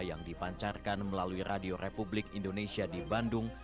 yang dipancarkan melalui radio republik indonesia di bandung